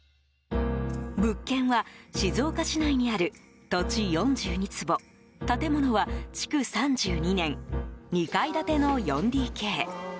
物件は静岡市内にある土地４２坪建物は築３２年２階建ての４ＤＫ。